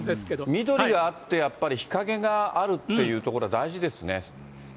緑があって、やっぱり日陰があるっていう所、大事ですね。